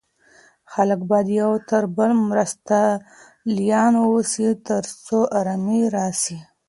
خلګ بايد يو د بل مرستيالان واوسي تر څو ارامي راسي.